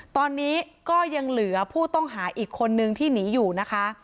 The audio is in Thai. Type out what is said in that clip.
ตอนนี้ก็ยังเหลือผู้ต้องหาอีกคนนึงที่หนีอยู่นะคะ